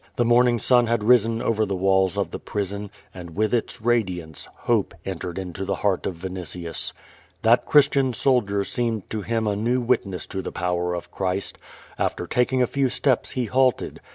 The morning sun had risen over the walls of the prison, and with its radiance, hope en tered into the heart of Vinitius. That Christian soldier an QUO VADI8. 393 seemed to him a new witness to the power of Christ. After taking a few steps he halted.